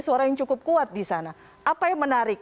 suara yang cukup kuat di sana apa yang menarik